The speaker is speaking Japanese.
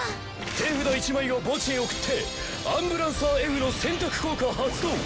手札１枚を墓地へ送ってアンブランサーＦの選択効果発動！